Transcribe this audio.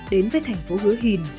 đến với thành phố hứa hìn